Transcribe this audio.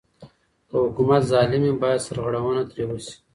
که حکومت ظالم وي بايد سرغړونه ترې وسي.